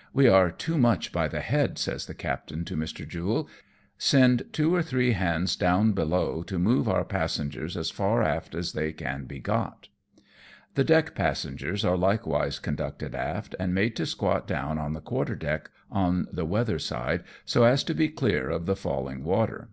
" We are too much by the head," says the captain to Mr. Jule, " send two or three hands down below to move our passengers as far aft as they can be got." The deck passengers are likewise conducted aft, and made to squat down on the quarter deck, on the weather side, so as to be clear of the falling water.